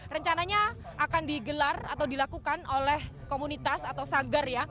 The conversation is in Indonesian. rencananya akan digelar atau dilakukan oleh komunitas atau sanggar ya